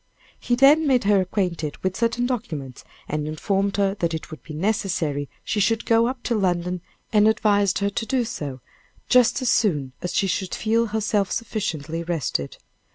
He then made her acquainted with certain documents, and informed her that it would be necessary she should go up to London, and advised her to do so just as soon as she should feel herself sufficiently rested.